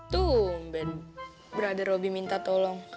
tuh berada robi minta tolong